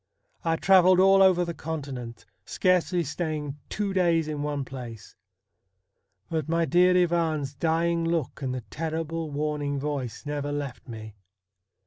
I travelled all over the Continent, scarcely staying two days in one place. But my dear Ivan's dying look and the terrible warning voice never left me.